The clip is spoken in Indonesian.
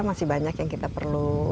masih banyak yang kita perlu